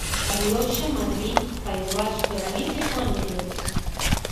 A Rioxa, Madrid, País Vasco e Galicia son as mellores.